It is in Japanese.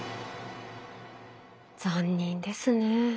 残忍ですね。